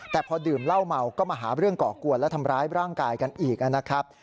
แต่พอดื่มเหล้าเมาก็มาหาเรื่องก่อกวนและทำร้ายร่างกายกันอีกนะครับ